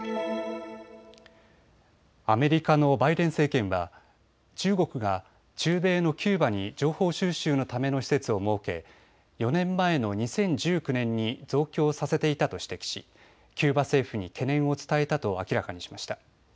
アメリカのバイデン政権は中国が中米のキューバに情報収集のための施設を設け４年前の２０１９年に増強させていたと指摘しキューバ政府に懸念を伝えたと明らかにしました。